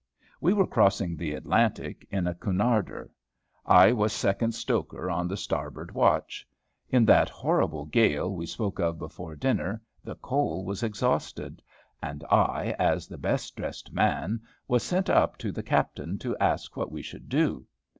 We were crossing the Atlantic in a Cunarder. I was second stoker on the starboard watch. In that horrible gale we spoke of before dinner, the coal was exhausted, and I, as the best dressed man, was sent up to the captain to ask what we should do.